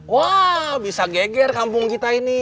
wah bisa geger kampung kita ini